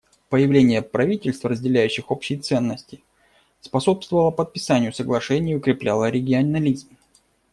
Появление правительств, разделяющих общие ценности, способствовало подписанию соглашений и укрепляло регионализм.